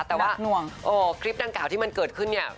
แต่ว่าคลิปดังกล่าวที่มันเกิดขึ้นเนี่ย